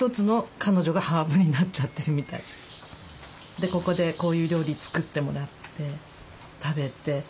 でここでこういう料理作ってもらって食べて。